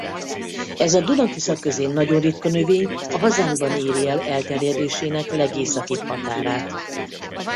Ez a Duna-Tisza közén nagyon ritka növény a hazánkban éri el elterjedésének legészakibb határát.